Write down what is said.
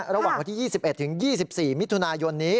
ระหว่างวันที่๒๑๒๔มิถุนายนนี้